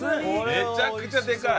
めちゃくちゃでかい！